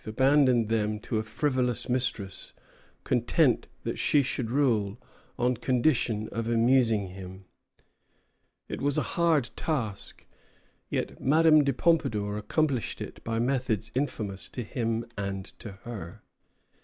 abandoned them to a frivolous mistress, content that she should rule on condition of amusing him. It was a hard task; yet Madame de Pompadour accomplished it by methods infamous to him and to her.